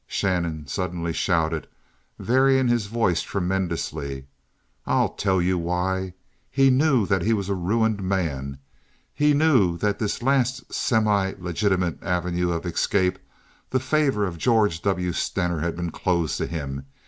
[Shannon suddenly shouted, varying his voice tremendously.] I'll tell you why! He knew that he was a ruined man! He knew that his last semi legitimate avenue of escape—the favor of George W. Stener—had been closed to him!